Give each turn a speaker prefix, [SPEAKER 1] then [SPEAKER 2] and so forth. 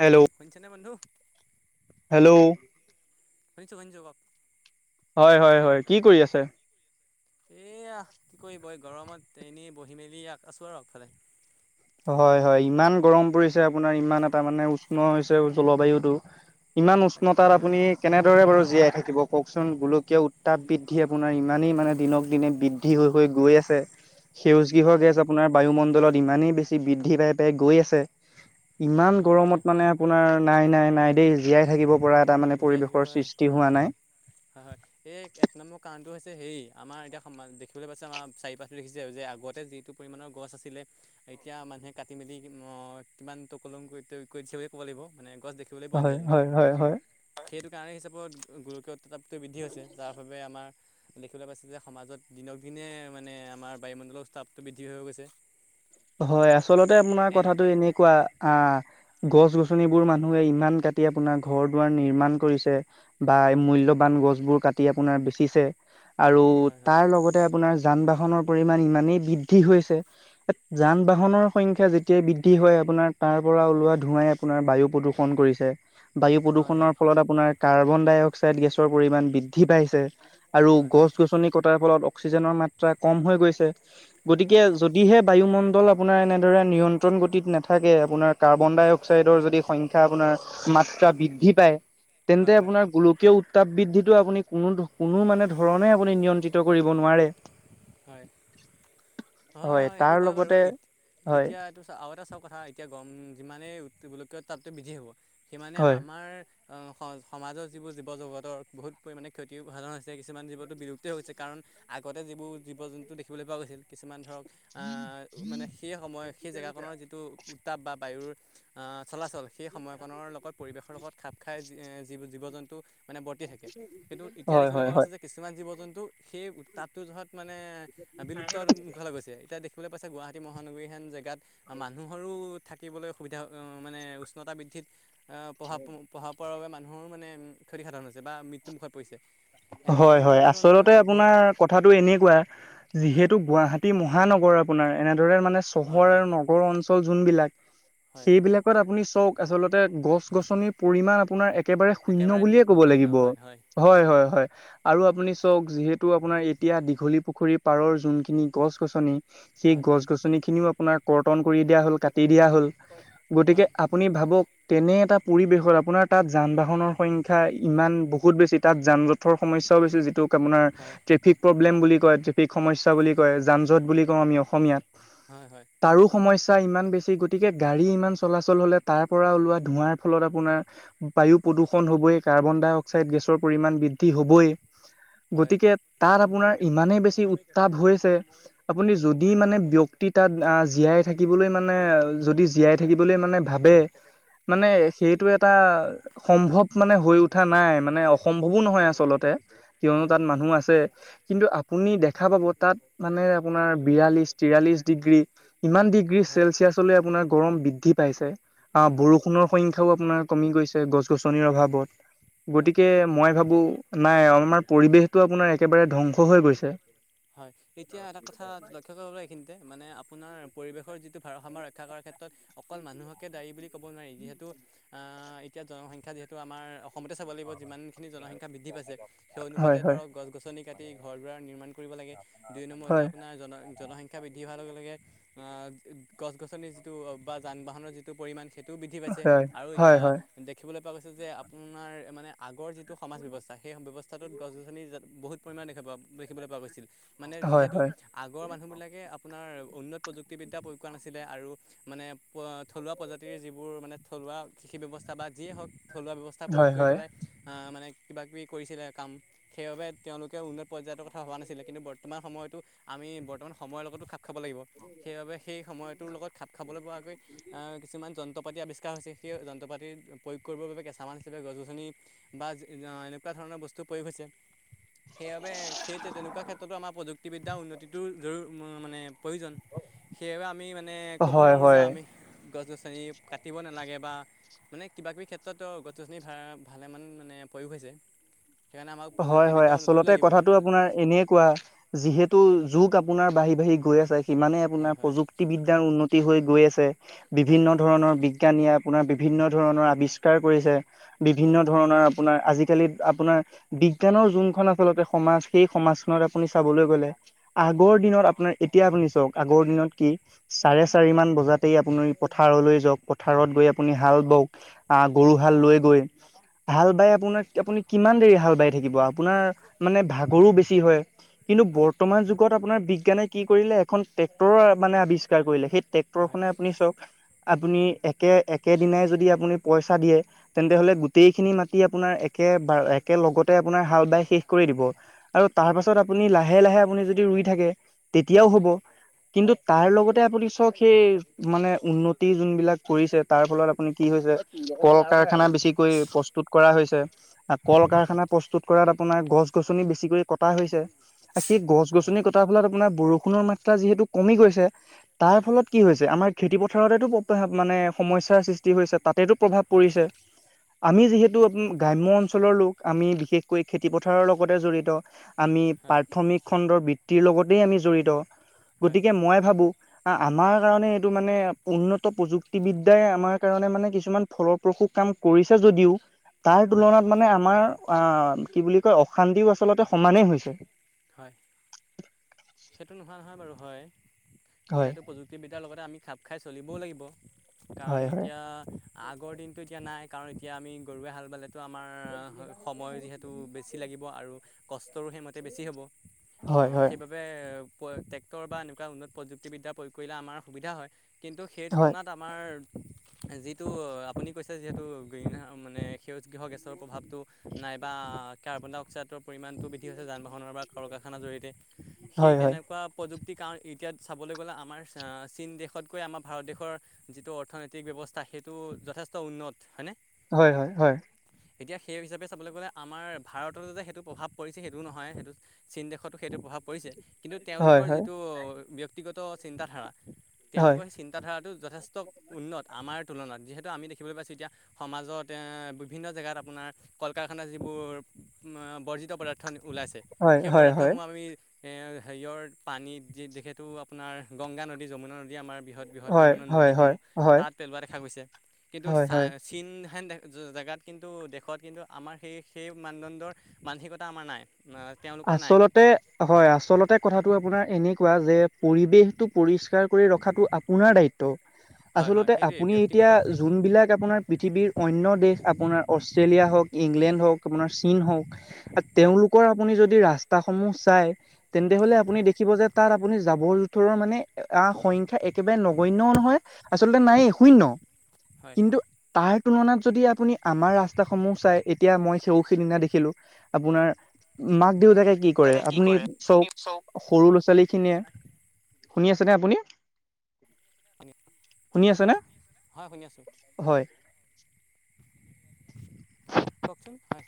[SPEAKER 1] Hello
[SPEAKER 2] শুনিছ নে বন্ধু
[SPEAKER 1] হেল্ল'
[SPEAKER 2] শুনিছো শুনিছো ক
[SPEAKER 1] হয় হয় হয় কি কৰি আছে
[SPEAKER 2] এইয়া কি কৰিব এই গৰমত এনেই বহি মেলি ইয়াত আছো আৰু আগফালে
[SPEAKER 1] হয় হয় ইমান গৰম পৰিছে আপোনাৰ ইমান এটা মানে উষ্ণ হৈছে জলবায়ুতো ইমান
[SPEAKER 2] তাকে
[SPEAKER 1] উষ্ণতাত আপুনি কেনেদৰে বাৰু জীয়াই থাকিব কওকচোন গোলকীয় উ তাপ বৃদ্ধি আপোনাৰ ইমানেই মানে দিনক দিনে বৃদ্ধি হৈ হৈ গৈ আছে সেউজ গৃহ
[SPEAKER 2] উম
[SPEAKER 1] গেছ আপোনাৰ বায়ুমণ্ডলত ইমানেই বেছি বৃদ্ধি পাই পাই গৈ আছে। ইমান
[SPEAKER 2] হয় হয়
[SPEAKER 1] গৰমত মানে আপোনাৰ নাই নাই নাই দেই জীয়াই থাকিব পৰা এটা মানে
[SPEAKER 2] জীয়াই থাকিব
[SPEAKER 1] পৰিৱেশৰ সৃষ্টি হোৱা
[SPEAKER 2] উম
[SPEAKER 1] নাই।
[SPEAKER 2] হয় হয় এই এক নম্বৰ কাৰণটো হৈছে হেৰি আমাৰ এতিয়া দেখিবলৈ পাইছে আমাৰ চাৰি কাষটো দেখিছে যে আগতে যিটো পৰিমাণৰ গছ আছিলে এতিয়া মানুহে কাটি মেলি অ কিমান টকলং কৰি থৈ গৈছে বুলিয়ে ক'ব লাগিব মানে গছ দেখিবলৈ পোৱা
[SPEAKER 1] হয়
[SPEAKER 2] নাযায়
[SPEAKER 1] হয়
[SPEAKER 2] তেনেকে।
[SPEAKER 1] হয় হয়
[SPEAKER 2] সেইটো কাৰণে হিচাপত গৰকীয়ত তাপটো বৃদ্ধি হৈছে যাৰ বাবে আমাৰ দেখিবলৈ পাইছে যে সমাজত দিনক দিনে মানে আমাৰ বায়ুমণ্ডলৰ স্তাপটো বৃদ্ধি হৈ গৈছে
[SPEAKER 1] হয় আচলতে আপোনাৰ
[SPEAKER 2] এন
[SPEAKER 1] কথাটো এনেকুৱা আহ গছ গছনিবোৰ মানুহে ইমান কাটি আপোনাৰ ঘৰ দুৱাৰ নিৰ্মাণ কৰিছে বা মূল্যবান। গছবোৰ কাটি আপোনাৰ বেচিছে আৰু
[SPEAKER 2] হয় হয়
[SPEAKER 1] তাৰ লগতে আপোনাৰ যান বাহনৰ পৰিমাণ ইমানেই বৃদ্ধি হৈছে যান বাহনৰ সংখ্যা যেতিয়াই বৃদ্ধি হয় আপোনাৰ তাৰ পৰা ওলোৱা ধোৱাই আপোনাৰ বায়ু প্ৰদূ্ষন কৰিছে বায়ু প্ৰদূষণৰ
[SPEAKER 2] হয়
[SPEAKER 1] ফলত আপোনাৰ কাৰ্বন ডাই অক্সাইড গেছৰ পৰিমাণ বৃদ্ধি পাইছে আৰু
[SPEAKER 2] হয় হয় হয়
[SPEAKER 1] গছ গছনি কটাৰ ফলত অক্সিজেনৰ মাত্ৰা কম হৈ গৈছে গতিকে
[SPEAKER 2] হয়
[SPEAKER 1] যদিহে বায়ুমণ্ডল আপোনাৰ এনেদৰে নিয়ন্ত্ৰণ গতিত নাথাকে আপোনাৰ কাৰ্বন ডাই অক্সাইডৰ যদি সংখ্যা আপোনাৰ মাত্ৰা বৃদ্ধি পায়
[SPEAKER 2] হয়
[SPEAKER 1] তেন্তে
[SPEAKER 2] হয়
[SPEAKER 1] আপোনাৰ গোলকীয় তাপ বৃদ্ধিটো আপুনি কোনো কোনো মানে ধৰণে আপুনি নিয়ন্ত্ৰিত কৰিব নোৱাৰে
[SPEAKER 2] হয় হয় হয় এইটো
[SPEAKER 1] তাৰ
[SPEAKER 2] হয় বাৰু
[SPEAKER 1] লগতে হয়
[SPEAKER 2] এতিয়াটো চা আৰু এটা চাওক কথা এতিয়া গৰম কিমান মানে গোলকীয় তাপটো বৃদ্ধি হ'ব সিমানে
[SPEAKER 1] হয়
[SPEAKER 2] আমাৰ অ স সমাজৰ যিবোৰ জীৱ জগতৰ বহুত পৰিমাণে ক্ষতি সাধন হৈছে কিছুমান জীৱনো বিলুপ্ত হৈছে কাৰণ আগতে যিবোৰ জীৱ জন্তু দেখিবলৈ পোৱা গৈছিল কিছুমান ধৰক আহ মানে সেই সময় সেই জেগাকনৰ যিটো উত্তাপ বা বায়ুৰ আহ চলাচল সেই সময়কণনৰ লগত পৰিৱেশৰ লগত খাপ খাই জীৱ জন্তু মানে বৰ্তি থাকে কিন্তু এতিয়া
[SPEAKER 1] হয়
[SPEAKER 2] দেখিবলৈ
[SPEAKER 1] হয়
[SPEAKER 2] পোৱা
[SPEAKER 1] হয়
[SPEAKER 2] গৈছে যে কিছুমান জীৱ জন্তু সেই তাতটো যত মানে বিলুপ্ত মুখলে গৈছে এতিয়া দেখিবলৈ পাইছে গুৱাহাটী মহানগৰীহেন জেগাত মানুহৰো থাকিবলৈ সুবিধা অ মানে উষ্ণতা বৃদ্ধিত এহ পঢ়াত পঢ়াৰ পৰা বাবে মানুহো মানে ক্ষতিসাধন হৈছে বা মৃত্যুমুখত পৰিছে এনেকৈ
[SPEAKER 1] হয়
[SPEAKER 2] থাকিবলৈ
[SPEAKER 1] হয়
[SPEAKER 2] হ'লে দেখোন
[SPEAKER 1] আচলতে
[SPEAKER 2] বহুত
[SPEAKER 1] আপোনাৰ কথাটো এ তেনেকোৱা
[SPEAKER 2] হয়
[SPEAKER 1] যিহেতু গুৱাহাটী মহানগৰ আপোনাৰ এনে মানে
[SPEAKER 2] হয়
[SPEAKER 1] চহৰ
[SPEAKER 2] হয়
[SPEAKER 1] আৰু নগৰ অঞ্চল যোনবিলাক
[SPEAKER 2] হয়
[SPEAKER 1] সেইবিলাকত আপুনি চক আচলতে গছ গছনিৰ পৰিমাণ আপোনাৰ একেবাৰে শূন্য বুলিয়ে ক'ব লাগিব হয় হয় হয় আৰু আপুনি চওক যিহেতু আপোনাৰ এতিয়া দীঘলী পুখুৰী পাৰৰ যোনখিনি গছ গছনি সেই
[SPEAKER 2] হয়
[SPEAKER 1] গছ গছনি খিনিও আপোনাৰ কৰ্তন কৰি দিয়া হল কাটি দিয়া হল গতিকে
[SPEAKER 2] হয়
[SPEAKER 1] আপুনি ভাবক তেনে এটা পৰিৱেশত আপোনাৰ তাত যান বাহনৰ সংখ্যা ইমান বহুত বেছি তাত যান জট যটৰ সমস্যা বেছি যিটো আপোনাৰ
[SPEAKER 2] হয়
[SPEAKER 1] ট্ৰেফিক প্ৰব্লেম বুলি ট্ৰেফিক সমস্যা বুলি কয় যান যট বুলি কও আমি অসমীয়াত
[SPEAKER 2] হয় হয় হয়
[SPEAKER 1] তাৰো সমস্যা তাৰ ইমান বেছি গতিকে গাড়ী ইমান চলাচল হলে তাৰ পৰা ওলোৱা ধোঁৱাৰ ফলত আপোনাৰ বায়ু প্ৰদূষণ হবই কাৰ্বন ডাই অক্সাইড গেছৰ পৰিমাণ বৃদ্ধি হবই
[SPEAKER 2] হয়
[SPEAKER 1] গতিকে তাত আপোনাৰ ইমানে বেছি উত তাপ হৈছে আপোনি যদি মানে ব্যক্তি তাত জীয়াই থাকিব সকলোৱে মানে যদি জীয়াই থাকিবল মানে ভাবে মানে
[SPEAKER 2] হয়
[SPEAKER 1] সেইটো এটা সম্ভৱ মানে হৈ উঠা নাই মানে অসম্ভৱো নহয় আচলতে আচলতে কিয়নো তাত
[SPEAKER 2] হয়
[SPEAKER 1] মানুহ আছে কিন্তু আপুনি দেখা পাব তাত মানে আপোনাৰ বিৰাল্লিশ তিৰাল্লিশ ডিগ্ৰী ইমান ডিগ্ৰী চেলচিয়াছলৈ আপোনাৰ গৰম বৃদ্ধি পাইছে আহ
[SPEAKER 2] হয় হয়
[SPEAKER 1] বৰষুণৰ সংখ্যা আও আপোনাৰ কমি গৈছে গছ গছনিৰ অভাৱত
[SPEAKER 2] হয়
[SPEAKER 1] গতিকে মই ভাবো নাই আমাৰ পৰিৱেশটো আপোনাৰ একেবাৰে ধ্বংস হৈ গৈছে
[SPEAKER 2] হয় এতিয়া এটা কথা লক্ষ্য কৰিব এইখিনিতে মানে আপোনাৰ পৰিৱেশৰ যিটো ভাৰসাম্য ৰক্ষা কৰাৰ ক্ষেত্ৰত, অকল মানুহকে দায়ী বুলি ক'ব নোৱাৰি। যিহেতু, এতিয়া, জনসংখ্যা যিহেতু আমাৰ অসমতে চাব লাগিব। যিমানখিনি জনসংখ্যা বৃদ্ধি পাইছে। সেই অনুপাতে,
[SPEAKER 1] হয় হয়
[SPEAKER 2] ধৰক গছ গছনি কাটি, ঘৰ দুৱাৰ নিৰ্মাণ কৰিব লাগে। দুই নম্বৰতে
[SPEAKER 1] হয়
[SPEAKER 2] আপোনাৰ জন, জনসংখ্যা শিক্ষা বৃদ্ধি হোৱাৰ লগে, লগে, গছ গছনিৰ যিটো বা যান বাহনৰ যিটো পৰিমাণ সেইটোও বৃদ্ধি পাইছে
[SPEAKER 1] হয়
[SPEAKER 2] আৰু এতিয়া
[SPEAKER 1] হয় হয়
[SPEAKER 2] দেখিবলৈ পোৱা গৈছে যে, আপোনাৰ মানে, আগৰ যিটো টো সমাজ ব্যৱস্থা, সেই ব্যৱস্থাটোত গছ- গছনি বহুত পৰিমাণ দেখা, দেখিবলৈ পোৱা গৈছে। মানে,
[SPEAKER 1] হয়
[SPEAKER 2] যিহেতু
[SPEAKER 1] হয়
[SPEAKER 2] আগৰ মানুহ বিলাকে আপোনাৰ উন্নত প্ৰযুক্তি বিদ্যা প্ৰয়োগ কৰা নাছিলে আৰু মানে, থলুৱা প্ৰজাতিৰ যিবোৰ মানে থ থলুৱা কৃষি ব্যৱস্থা বা যিয়ে হওঁক, থলুৱা ব্যৱস্থা প্ৰয়োগ
[SPEAKER 1] হয় হয়
[SPEAKER 2] কৰি পেলাই মানে কিবা কিবি কৰিছিলে কাম। সেইবাবে, তেওঁলোকে উন্নত পৰ্যায়ৰ কথা ভবা নাছিলে। কিন্তু, বৰ্তমান সময়তো, আমি বৰ্তমান সময়ৰ লগতো খাপ খাব লাগিব। সেইবাবে, সেই সময়টোৰ লগত খাপ খাবলৈ পোৱাকৈ কিছুমান, য যন্ত্ৰপাতি আৱিষ্কাৰ হৈছে। সেই, যন্ত্ৰ পাতি প্ৰয়োগ কৰিবৰ বাবে কেঁচা মাল হিচাপে, গছ- গছনি বা এনেকুৱা ধৰণৰ বস্তু প্ৰয়োগ হৈছে। সেইবাবে, সেই তেনেকুৱা ক্ষেত্ৰত প্ৰযুক্তিবিদ্যা উন্নতিটোৰ জৰু মানে প্ৰয়োজন। সেইবাবে, আমি মানে, ক'ব
[SPEAKER 1] হয়
[SPEAKER 2] নোৱাৰোঁ যে
[SPEAKER 1] হয়
[SPEAKER 2] আমি গছ -গছনি কাটিব নালাগে বা মানে, কিবা কিবি ক্ষেত্ৰত গছ -গছনি ভালেমান মানে প্ৰয়োগ হৈছে। সেইকাৰণে আমাক
[SPEAKER 1] হয়, হয়।
[SPEAKER 2] প্ৰযুক্তিবিদ্যাৰ উন্নতিটো
[SPEAKER 1] আচলতে
[SPEAKER 2] লাগিব।
[SPEAKER 1] কথাাটো আপোনাৰ এনে কোৱা। যিহেতু যুগ আপোনাৰ, বাঢ়ি বাঢ়ি গৈ আছে। সিমানে, আপোনাৰ
[SPEAKER 2] হয় হয়
[SPEAKER 1] প্ৰযুক্তিবিদ্যাৰ উন্নতি হৈ গৈ আছে।
[SPEAKER 2] হয়
[SPEAKER 1] বিভিন্ন ধৰণৰ বিজ্ঞানীয়ে আপোনাৰ, বিভিন্ন ধৰণৰ আৱিষ্কাৰ কৰিছে। বিভিন্ন
[SPEAKER 2] হয়
[SPEAKER 1] ধৰণৰ আপোনাৰ, আজিকালি আপোনাৰ বিজ্ঞানৰ যোনখন আচলতে সমাজ। সেই সমাজখনত আপুনি চাবলৈ গ'লে, আগৰ দিনত আপোনাৰ এতিয়া, আপুনি চাওঁক, আগৰ দিনত কি? চাৰে চাৰি মান বজাতেই আপুনি পথাৰলৈ যাওঁক। পথাৰত গৈ আপুনি হাল বাওঁক, আঁ গৰু
[SPEAKER 2] হয়
[SPEAKER 1] হাল লৈ গৈ, হাল বাই আপুনি কিমান দেৰি হাল বাই থাকিব। আপোনাৰ ভাগৰো বেছি হয়। কিন্তু,
[SPEAKER 2] হয়
[SPEAKER 1] বৰ্তমান যুগত আপোনাৰ বি সেইকাৰণে, কি কৰিলে, এখন ট্ৰেক্টৰৰ মানে, আৱিষ্কাৰ কৰিলে। সেই
[SPEAKER 2] হয়
[SPEAKER 1] ট্ৰেক্টৰখনে আপুনি চাওঁক আপুনি একে, একেদিনাই যদি আপুনি পইচা দিয়ে। তেন্তে হ'লে, গোটেইখিনি মাটি আপোনাৰ এক একে, একেলগত তে আপোনাৰ হাল বাই শেষ কৰি দিব আৰু তাৰ
[SPEAKER 2] হয় হয় হয়
[SPEAKER 1] পাছত, আপুনি লাহে, লাহে আপুনি যদি ৰুই থাকে তেতিয়াও
[SPEAKER 2] হয়
[SPEAKER 1] হ'ব।
[SPEAKER 2] হয়
[SPEAKER 1] কিন্তু, তাৰ লগতে আপুনি চাওঁক, সেই মানে, উন্নতি যোনবিলাক কৰিছে। তাৰ ফলত, আপুনি কি হৈছে কল কাৰখানা বেছিকৈ প্ৰস্তুত কৰা হৈছে। কল
[SPEAKER 2] হয়
[SPEAKER 1] কাৰখানাত প্ৰস্তুত কৰাত আপোনাৰ, গছ-গছনি বেছিকৈ কটা হৈছে। সেই
[SPEAKER 2] হয় হয়
[SPEAKER 1] গছ-গছনি কটাত আপোনাৰ বৰষুণৰ মাত্ৰা যিহেতু কমি গৈছে।
[SPEAKER 2] হয়
[SPEAKER 1] তাৰফলত, কি হৈছে, আমাৰ খেতি পথাৰতেতো মানে, সমস্যাৰ সৃষ্টি হৈছে। তাতেতো প্ৰভাৱ পৰিছে। আমি যিহেতু, গ্ৰাম্য অঞ্চলৰ লোক, আমি বিশেষকৈ খেতি পথাৰৰ লগতে জড়িত। আমি,
[SPEAKER 2] হয়
[SPEAKER 1] প্ৰাথমিক খণ্ডৰ বৃত্তিৰ লগতেই আমি জড়িত।
[SPEAKER 2] হয়
[SPEAKER 1] গতিকে, মই ভাবোঁ আমাৰ কাৰণে, এইটো মানে, উন্নত প্ৰযুক্তিবিদ্যাই আমাৰ কাৰণে মানে, কিছুমান ফলপ্ৰসূ কাম কৰিছে যদিও তাৰ
[SPEAKER 2] হয়
[SPEAKER 1] তুলনাত মানে, আমাৰ আঁ কি বুলি কয়, অশান্তিও আচলতে সমানেই হৈছে।
[SPEAKER 2] হয় সেইটো নোহোৱা নহয় বাৰু হয়।
[SPEAKER 1] হয়
[SPEAKER 2] যিহেতু, প্ৰযুক্তিবিদ্যাৰ লগতে আমি খাপ খাই চলিবও লাগিব। কাৰণ,
[SPEAKER 1] হয় হয়
[SPEAKER 2] এতিয়া আগৰ দিনটো এতিয়া নাই। কাৰণ, এতিয়া আমি গৰুৱে হাল বালে আমাৰ সময় যিহেতু, বেছি লাগিব আৰু কষ্টৰো সেইমতে বেছি হ'ব।
[SPEAKER 1] হয়
[SPEAKER 2] অ'!
[SPEAKER 1] হয়
[SPEAKER 2] সেইবাবে ট্ৰেক্টৰ বা এনেকুৱা উন্নত প্ৰযুক্তিবিদ্যা প্ৰয়োগ কৰিলে আমাৰ সুবিধা হয়। কিন্তু, সেই
[SPEAKER 1] হয়
[SPEAKER 2] তুলনাত আমাৰ, যিটো আপুনি কৈছে যিহেতু গ্ৰীণ মানে সেউজগৃহ গেছৰ প্ৰভাৱটো নাইবা কাৰ্বন ডাই অক্সাইডৰ পৰিমাণটো বৃদ্ধি হৈছে। যান -বাহনৰ বা [unintelligible] জৰিয়তে, সেই
[SPEAKER 1] হয়
[SPEAKER 2] তেনেকুৱা প্ৰযু প্ৰযুক্তি কাৰণ, এতিয়া চাবলৈ গ'লে, আমাৰ চীন দেশতকৈ আমাৰ ভাৰত দেশৰ যিটো অৰ্থনৈতিক ব্যৱস্থা সেইটো যথেষ্ট উন্নত হয়নে
[SPEAKER 1] হয় হয় হয়
[SPEAKER 2] এতিয়া সেই হিচাপে চাবলৈ গ'লে আমাৰ ভাৰততো যা সেইটো প্ৰভাৱ পৰিছে সেইটো নহয় সেইটো চীন দেশত সেইটো প্ৰভাৱ কৰিছে কিন্তু
[SPEAKER 1] হয়
[SPEAKER 2] তেওঁলোকৰ
[SPEAKER 1] হয়
[SPEAKER 2] যিটো ব্যক্তিগত চিন্তা ধাৰা তেওঁলোকৰ চিন্তাধাৰাটো যথেষ্ট উন্নত আমাৰ তুলনাত যিহেতু আমি দেখিবলৈ পাইছোঁ এতিয়া সমাজত বিভিন্ন জেগাত আপোনাৰ কল কাৰখানাৰ যিবোৰ বৰ্জিত পদাৰ্থ ওলাইছে
[SPEAKER 1] হয়
[SPEAKER 2] সেই
[SPEAKER 1] হয় হয় হয়
[SPEAKER 2] পদাৰ্থসমূহ আমি এৰ হেয়ৰ পানীত যিহেতু আপোনাৰ গংগা নদী যমুনা নদী আমাৰ বৃহৎ বৃহৎ
[SPEAKER 1] হয় হয়
[SPEAKER 2] পৰিমাণৰ
[SPEAKER 1] হয়
[SPEAKER 2] নদীসমূহ
[SPEAKER 1] হয় হয়
[SPEAKER 2] তাত পেলোৱা দেখা গৈছে কিন্তু
[SPEAKER 1] হয়
[SPEAKER 2] চা
[SPEAKER 1] হয়
[SPEAKER 2] চন হেন দেখ জেগাত কিন্তু দেশত কিন্তু আমাৰ সেই সেই মানদণ্ডৰ মানসিকতা আমাৰ নাই অ তেওঁলোকৰ নাই
[SPEAKER 1] আচলতে হয় আচলতে কথাটো আপোনাৰ এনেকুৱা যে পৰিৱেশটো পৰিষ্কাৰ কৰি ৰখাটো আপোনাৰ দায়িত্ব
[SPEAKER 2] হয় হয়
[SPEAKER 1] আচলতে
[SPEAKER 2] সেইটোৱেই
[SPEAKER 1] আপুনি এতিয়া
[SPEAKER 2] ব্যক্তিগত
[SPEAKER 1] যোনবিলাক আপোনাৰ পৃথিৱীৰ অন্য দেশ আপোনাৰ অষ্ট্ৰেলিয়া হওক ইংলেণ্ড হওক আপোনাৰ চীন হওক আৰু
[SPEAKER 2] হয়
[SPEAKER 1] তেওঁলোকৰ আপুনি যদি ৰাস্তাস সমূহ চাই তেন্তে হলে
[SPEAKER 2] হয়
[SPEAKER 1] আপুনি দেখিব যে তাত আপুনি জাবৰ জোথৰৰ মানে আহ সংখ্যা একেবাৰে নগন্যও নহয় আচলতে
[SPEAKER 2] হয়
[SPEAKER 1] নায়েই শূন্য
[SPEAKER 2] হয়
[SPEAKER 1] কিন্তু তাৰ তুলনাত যদি আপুনি আমাৰ ৰাস্তাটো সমূহ চাই এতিয়া মই সে সেইদিনা দেখিলো আপোনাৰ মাক দেউতাকে কি কৰে আপুনি
[SPEAKER 2] চব
[SPEAKER 1] চওক সৰু ল'ৰা ছোৱালীক খিনিয়ে শুনি আছেনে আপুনি
[SPEAKER 2] হয়।
[SPEAKER 1] শুনি আছে নে
[SPEAKER 2] শুনি আছোঁ
[SPEAKER 1] হয়।
[SPEAKER 2] কওকচোন হয়